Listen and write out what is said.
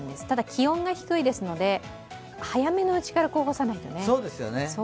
ただ、気温が低いですので、早めのうちから干さないとね。